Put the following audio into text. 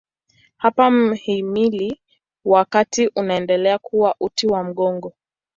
Hapa mhimili wa kati unaendelea kuwa uti wa mgongo.